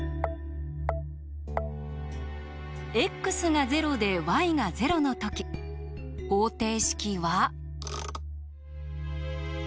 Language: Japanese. ｘが０でｙが０の時方程式は。